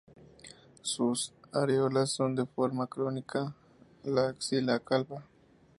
Sus areolas son de forma cónica, la axila calva.